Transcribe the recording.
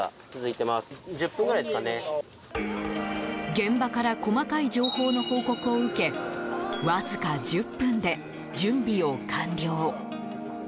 現場から細かい情報の報告を受けわずか１０分で準備を完了。